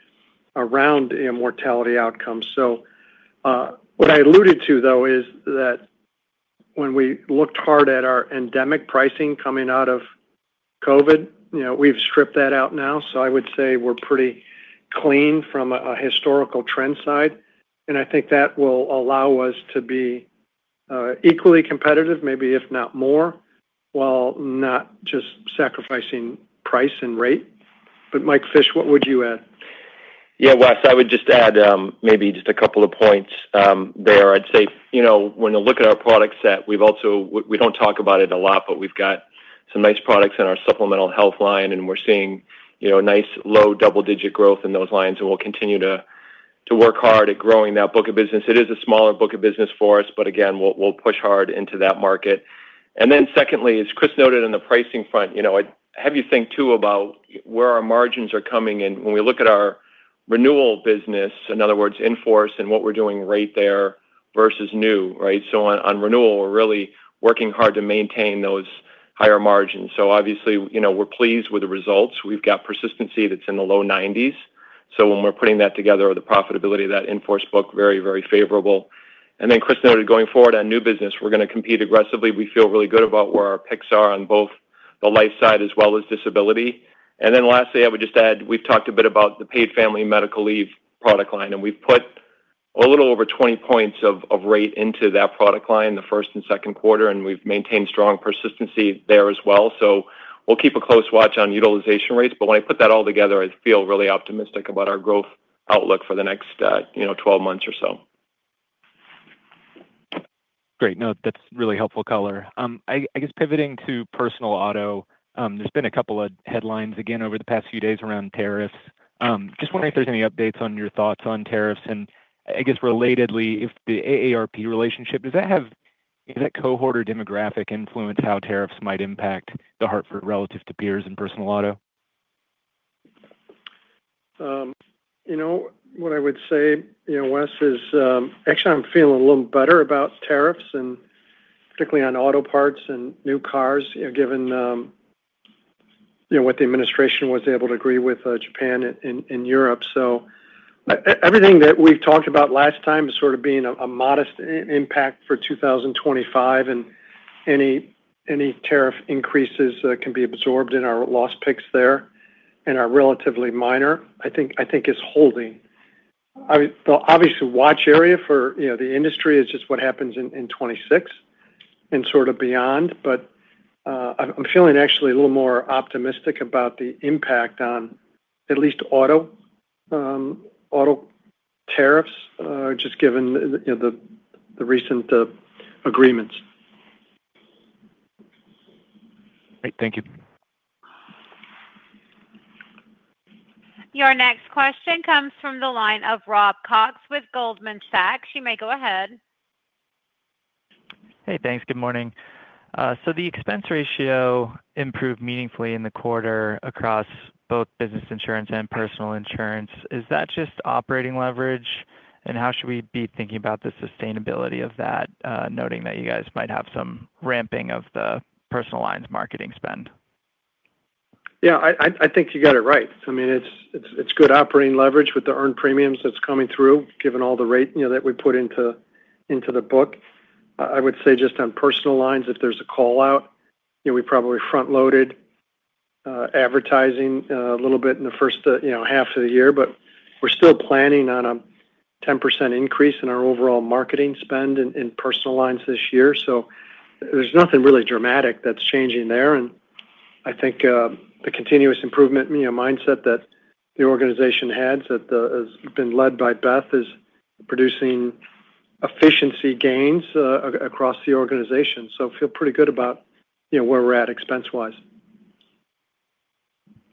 around mortality outcomes. What I alluded to, though, is that when we looked hard at our endemic pricing coming out of COVID, we've stripped that out now. I would say we're pretty clean from a historical trend side. I think that will allow us to be equally competitive, maybe if not more, while not just sacrificing price and rate. Mike Fish, what would you add? Yeah, Wes, I would just add maybe just a couple of points there. I'd say when you look at our product set, we do not talk about it a lot, but we've got some nice products in our supplemental health line, and we're seeing nice low double-digit growth in those lines. We'll continue to work hard at growing that book of business. It is a smaller book of business for us, but again, we'll push hard into that market. Secondly, as Chris noted on the pricing front, I have you think too about where our margins are coming in when we look at our renewal business, in other words, Enforce, and what we're doing right there versus new, right? On renewal, we're really working hard to maintain those higher margins. Obviously, we're pleased with the results. We've got persistency that's in the low 90s. When we're putting that together, the profitability of that in-nforce book is very, very favorable. Chris noted, going forward on new business, we're going to compete aggressively. We feel really good about where our picks are on both the life side as well as disability. Lastly, I would just add we've talked a bit about the Paid Family Medical Leave product line. We've put a little over 20 points of rate into that product line in the first and second-quarter, and we've maintained strong persistency there as well. We'll keep a close watch on utilization rates. When I put that all together, I feel really optimistic about our growth outlook for the next 12 months or so. Great. No, that's really helpful, Cowler. I guess pivoting to personal auto, there's been a couple of headlines again over the past few days around tariffs. Just wondering if there's any updates on your thoughts on tariffs. I guess relatedly, if the AARP relationship, does that cohort or demographic influence how tariffs might impact The Hartford relative to peers in personal auto? What I would say, Wes, is actually I'm feeling a little better about tariffs, and particularly on auto parts and new cars, given what the administration was able to agree with Japan and Europe. Everything that we've talked about last time is sort of being a modest impact for 2025. Any tariff increases can be absorbed in our loss picks there, and are relatively minor, I think, is holding. Obviously, watch area for the industry is just what happens in 2026 and sort of beyond. I'm feeling actually a little more optimistic about the impact on at least auto tariffs, just given the recent agreements. Great. Thank you. Your next question comes from the line of Rob Cox with Goldman Sachs. You may go ahead. Hey, thanks. Good morning. The expense ratio improved meaningfully in the quarter across both Business Insurance and Personal Insurance. Is that just operating leverage, and how should we be thinking about the sustainability of that, noting that you guys might have some ramping of the Personal Lines marketing spend? Yeah, I think you got it right. I mean, it's good operating leverage with the earned premiums that's coming through, given all the rate that we put into the book. I would say just on Personal Lines, if there's a callout, we probably front-loaded advertising a little bit in the first half of the year, but we're still planning on a 10% increase in our overall marketing spend in Personal Lines this year. There's nothing really dramatic that's changing there. I think the continuous improvement mindset that the organization has had that has been led by Beth is producing efficiency gains across the organization. I feel pretty good about where we're at expense-wise.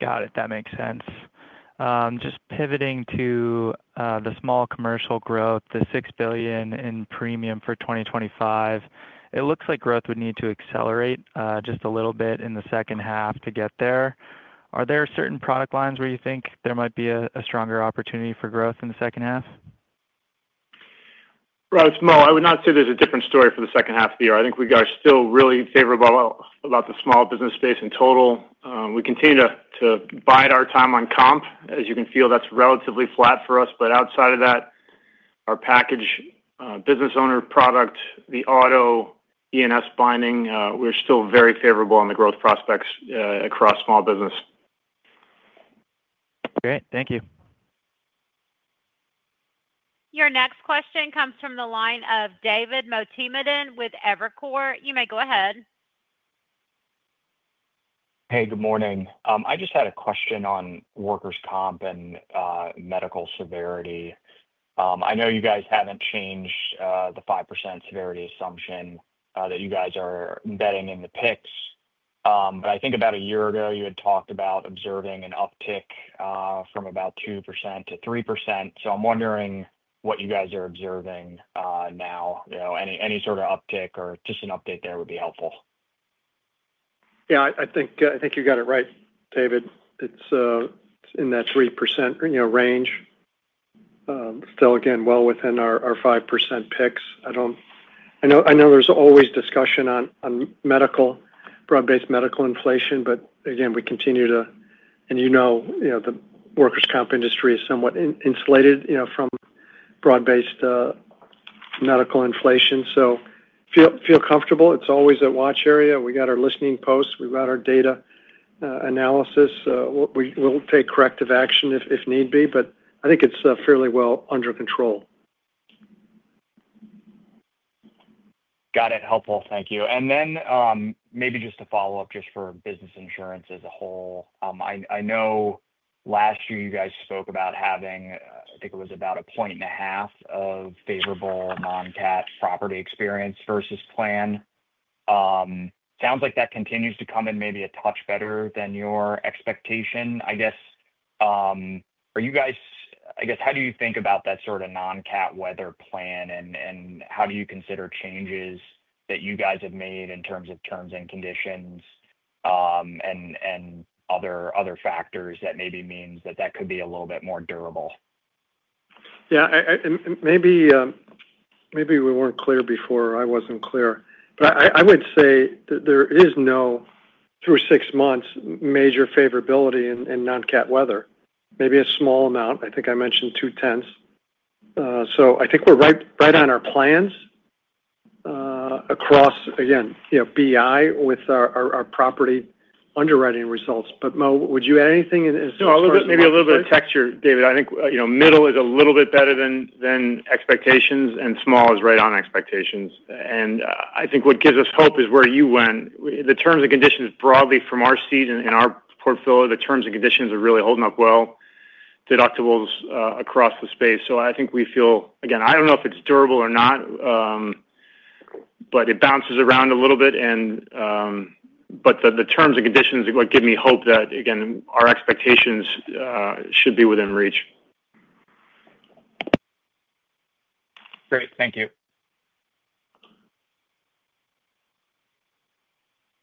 Got it. That makes sense. Just pivoting to the small commercial growth, the $6 billion in premium for 2025, it looks like growth would need to accelerate just a little bit in the second half to get there. Are there certain product lines where you think there might be a stronger opportunity for growth in the second half? It is small. I would not say there is a different story for the second half of the year. I think we are still really favorable about the Small Business space in total. We continue to bide our time on comp. As you can feel, that is relatively flat for us. Outside of that, our package business owner product, the auto, E&S binding, we are still very favorable on the growth prospects across Small Business. Great. Thank you. Your next question comes from the line of David Motemaden with Evercore. You may go ahead. Hey, good morning. I just had a question on workers' comp and medical severity. I know you guys haven't changed the 5% severity assumption that you guys are embedding in the picks. I think about a year ago, you had talked about observing an uptick from about 2%–3%. I'm wondering what you guys are observing now. Any sort of uptick or just an update there would be helpful. Yeah, I think you got it right, David. It's in that 3% range. Still, again, well within our 5% picks. I know there's always discussion on broad-based medical inflation, but again, we continue to, and you know the workers' comp industry is somewhat insulated from broad-based medical inflation. So, feel comfortable. It's always a watch area. We got our listening posts. We've got our data analysis. We'll take corrective action if need be, but I think it's fairly well under control. Got it. Helpful. Thank you. Maybe just to follow up just for Business Insurance as a whole, I know last year you guys spoke about having, I think it was about a point and a half of favorable non-cat property experience versus plan. Sounds like that continues to come in maybe a touch better than your expectation. I guess. Are you guys, I guess, how do you think about that sort of non-cat weather plan, and how do you consider changes that you guys have made in terms of terms and conditions and other factors that maybe means that that could be a little bit more durable? Yeah. Maybe. We were not clear before. I was not clear. I would say that there is no, through six months, major favorability in non-cat weather. Maybe a small amount. I think I mentioned two-tenths. I think we are right on our plans. Across, again, BI with our property underwriting results. Mo, would you add anything in support of that? No, maybe a little bit of texture, David. I think middle is a little bit better than expectations, and Small is right on expectations. I think what gives us hope is where you went. The terms and conditions broadly from our seat and our portfolio, the terms and conditions are really holding up well. Deductibles across the space. I think we feel, again, I do not know if it is durable or not. It bounces around a little bit. The terms and conditions give me hope that, again, our expectations should be within reach. Great. Thank you.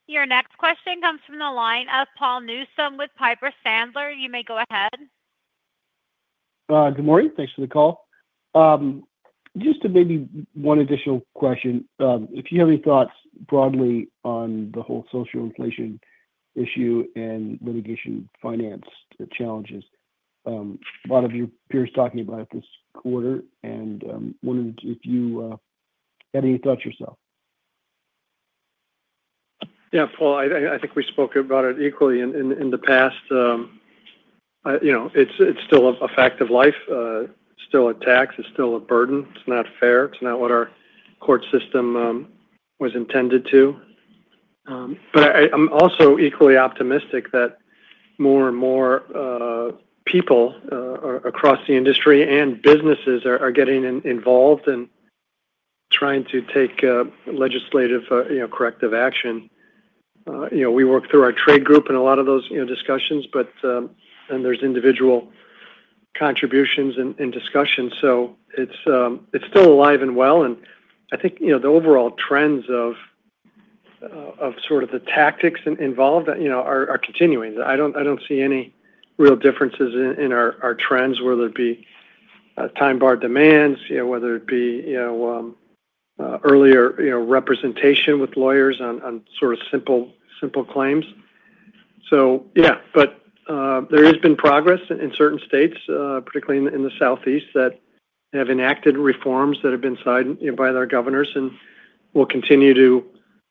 Your next question comes from the line of Paul Newsome with Piper Sandler. You may go ahead. Good morning. Thanks for the call. Just maybe one additional question. If you have any thoughts broadly on the whole social inflation issue and litigation finance challenges. A lot of your peers talking about it this quarter, and wondered if you had any thoughts yourself. Yeah, Paul, I think we spoke about it equally in the past. It's still a fact of life. It's still a tax. It's still a burden. It's not fair. It's not what our court system was intended to. But I'm also equally optimistic that more and more people across the industry and businesses are getting involved and trying to take legislative corrective action. We work through our trade group in a lot of those discussions, but then there's individual contributions and discussions. It's still alive and well. I think the overall trends of sort of the tactics involved are continuing. I don't see any real differences in our trends, whether it be time-barred demands, whether it be earlier representation with lawyers on sort of simple claims. Yeah, there has been progress in certain states, particularly in the Southeast, that have enacted reforms that have been signed by their governors and will continue to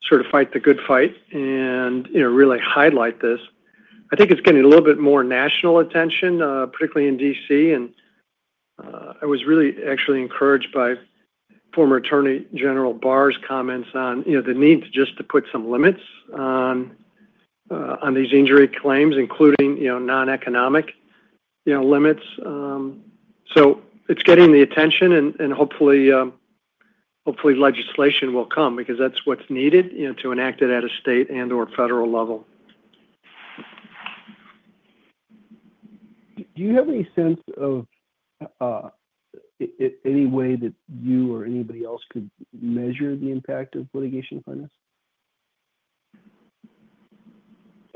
sort of fight the good fight and really highlight this. I think it's getting a little bit more national attention, particularly in DC. I was really actually encouraged by former Attorney General Barr's comments on the need just to put some limits on these injury claims, including non-economic limits. It's getting the attention, and hopefully legislation will come because that's what's needed to enact it at a state and/or federal level. Do you have any sense of, any way that you or anybody else could measure the impact of litigation finance?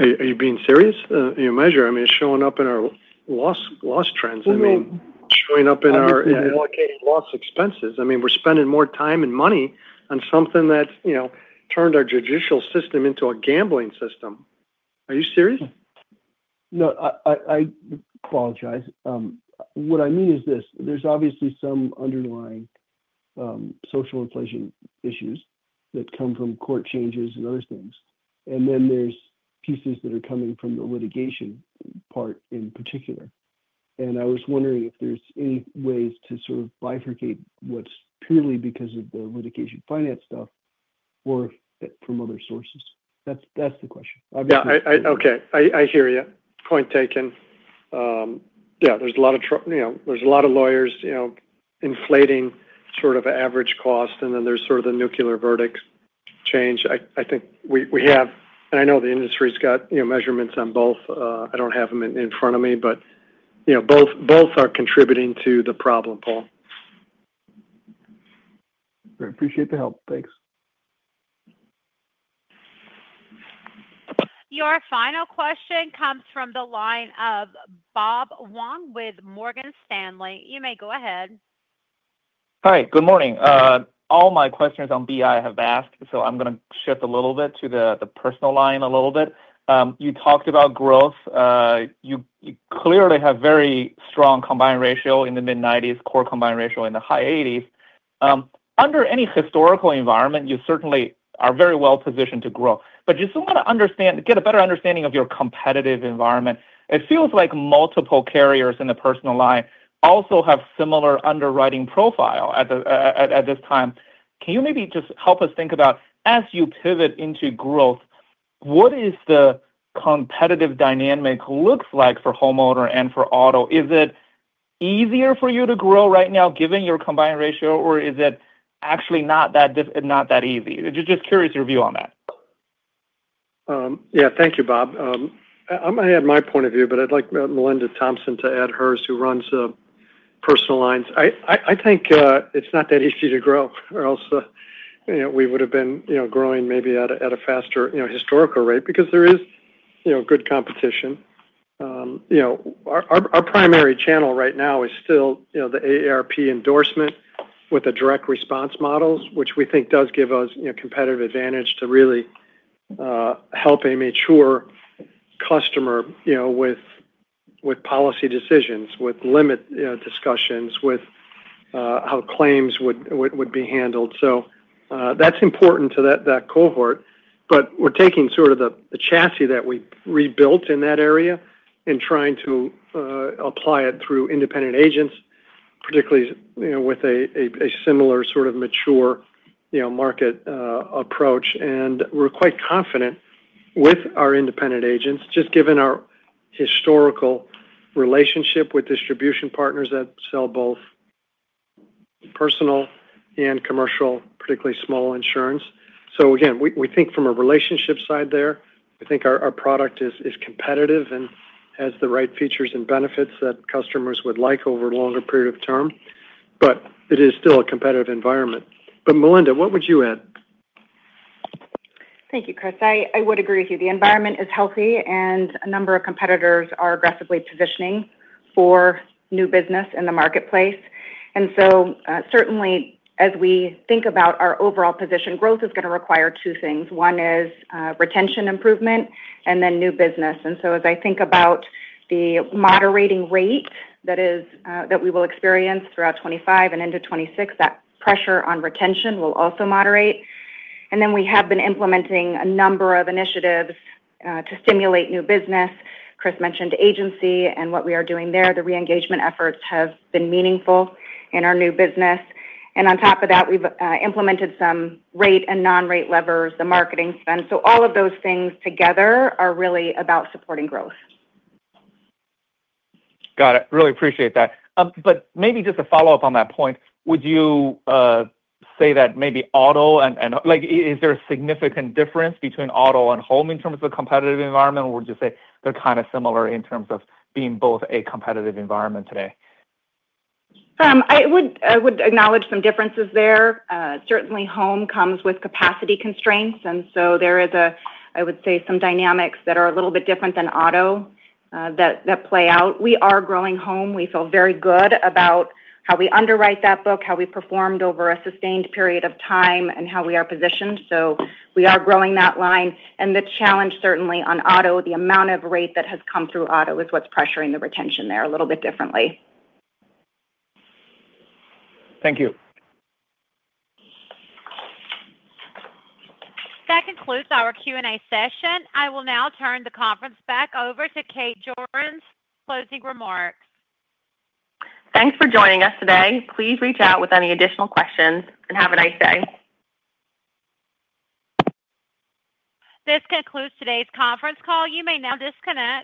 Are you being serious? You measure? I mean, showing up in our loss trends. I mean, showing up in our allocated loss expenses. I mean, we're spending more time and money on something that turned our judicial system into a gambling system. Are you serious? No, I apologize. What I mean is this: there's obviously some underlying social inflation issues that come from court changes and other things. Then there's pieces that are coming from the litigation part in particular. I was wondering if there's any ways to sort of bifurcate what's purely because of the litigation finance stuff or from other sources. That's the question. Yeah. Okay. I hear you. Point taken. Yeah, there's a lot of lawyers. Inflating sort of average cost, and then there's sort of the nuclear verdict change. I think we have—and I know the industry's got measurements on both. I don't have them in front of me, but both are contributing to the problem, Paul. I appreciate the help. Thanks. Your final question comes from the line of Bob Huang with Morgan Stanley. You may go ahead. Hi. Good morning. All my questions on BI have been asked, so I'm going to shift a little bit to the personal line a little bit. You talked about growth. You clearly have a very strong combined ratio in the mid-90s, core combined ratio in the high 80s. Under any historical environment, you certainly are very well positioned to grow. Just want to understand, get a better understanding of your competitive environment. It feels like multiple carriers in the personal line also have a similar underwriting profile at this time. Can you maybe just help us think about, as you pivot into growth, what does the competitive dynamic look like for homeowner and for auto? Is it easier for you to grow right now, given your combined ratio, or is it actually not that easy? Just curious your view on that. Yeah. Thank you, Bob. I'm going to add my point of view, but I'd like Melinda Thompson to add hers, who runs Personal Lines. I think it's not that easy to grow, or else we would have been growing maybe at a faster historical rate because there is good competition. Our primary channel right now is still the AARP endorsement with the direct response models, which we think does give us a competitive advantage to really help a mature customer with policy decisions, with limit discussions, with how claims would be handled. That is important to that cohort. We're taking sort of the chassis that we rebuilt in that area and trying to apply it through independent agents, particularly with a similar sort of mature market approach. We're quite confident with our independent agents, just given our historical relationship with distribution partners that sell both personal and commercial, particularly small insurance. Again, we think from a relationship side there, I think our product is competitive and has the right features and benefits that customers would like over a longer period of term. It is still a competitive environment. Melinda, what would you add? Thank you, Chris. I would agree with you. The environment is healthy, and a number of competitors are aggressively positioning for new business in the marketplace. Certainly, as we think about our overall position, growth is going to require two things. One is retention improvement and then new business. As I think about the moderating rate that we will experience throughout 2025 and into 2026, that pressure on retention will also moderate. We have been implementing a number of initiatives to stimulate new business. Chris mentioned agency and what we are doing there. The re-engagement efforts have been meaningful in our new business. On top of that, we have implemented some rate and non-rate levers, the marketing spend. All of those things together are really about supporting growth. Got it. Really appreciate that. Maybe just a follow-up on that point. Would you say that maybe auto and is there a significant difference between auto and home in terms of the competitive environment, or would you say they're kind of similar in terms of being both a competitive environment today? I would acknowledge some differences there. Certainly, home comes with capacity constraints. There is, I would say, some dynamics that are a little bit different than auto that play out. We are growing home. We feel very good about how we underwrite that book, how we performed over a sustained period of time, and how we are positioned. We are growing that line. The challenge, certainly, on auto, the amount of rate that has come through auto is what's pressuring the retention there a little bit differently. Thank you. That concludes our Q&A session. I will now turn the conference back over to Kate Jorens for closing remarks. Thanks for joining us today. Please reach out with any additional questions, and have a nice day. This concludes today's conference call. You may now disconnect.